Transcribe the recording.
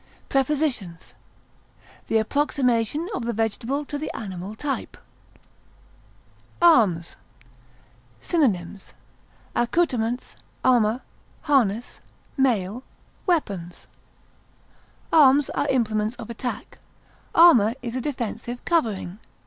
Prepositions: The approximation of the vegetable to the animal type. ARMS. Synonyms: accouterments, armor, harness, mail, weapons. Arms are implements of attack; armor is a defensive covering.